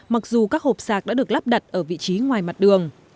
mặc dù các hộp sạc đã được lắp đặt ở vị trí ngoài mặt đường